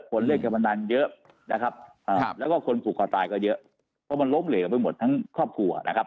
คนเล่นการพนันเยอะนะครับแล้วก็คนผูกคอตายก็เยอะเพราะมันล้มเหลวไปหมดทั้งครอบครัวนะครับ